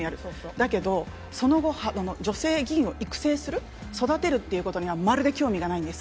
だけど、その後、女性議員を育成する、育てるっていうことには、まるで興味がないんです。